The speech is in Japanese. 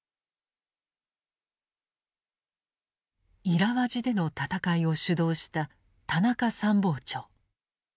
イラワジでの戦いを主導した田中参謀長。